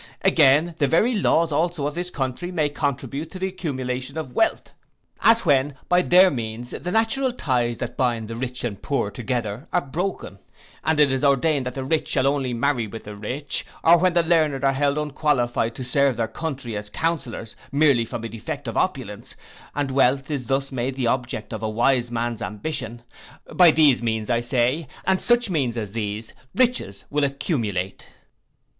Again, the very laws also of this country may contribute to the accumulation of wealth; as when by their means the natural ties that bind the rich and poor together are broken, and it is ordained that the rich shall only marry with the rich; or when the learned are held unqualified to serve their country as counsellors merely from a defect of opulence, and wealth is thus made the object of a wise man's ambition; by these means I say, and such means as these, riches will accumulate.